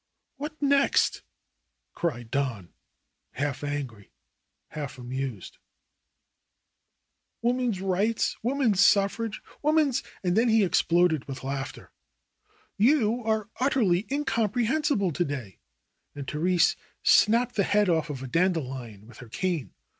'^What next!" cried Don, half angry, half amused. THE ROSE COLORED WORLD 11 '^Woman's rights ! woman's suffrage ! woman's " And then he exploded with laughter. 'Wou are utterly incomprehensible to day," and The rese snapped the head off a dandelion with her cane.